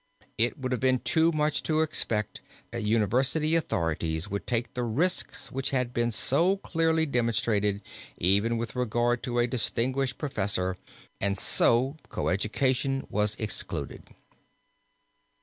It would have been too much to expect that university authorities would take the risks which had been so clearly demonstrated even with regard to a distinguished professor, and so co education was excluded.